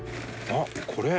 あっこれ。